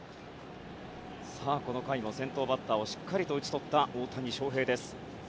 この回も先頭バッターをしっかり打ち取った大谷翔平。